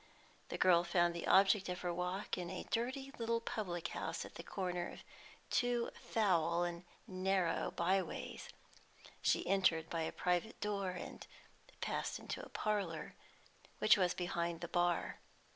The girl found the object of her walk in a dirty little public house at the corner of two foul and narrow by ways. She entered by a private door, and passed into a parlour, which was behind the bar.